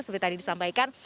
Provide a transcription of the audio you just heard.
seperti tadi disampaikan